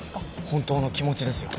本当の気持ちですよ。